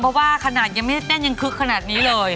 เพราะว่าขนาดยังไม่ได้เต้นยังคึกขนาดนี้เลย